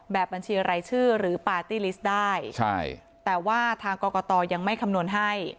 บัญชีรายชื่อหรือปาร์ตี้ลิสต์ได้ใช่แต่ว่าทางกรกตยังไม่คำนวณให้